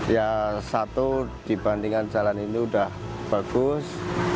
ya satu dibandingkan jalan ini sudah bagus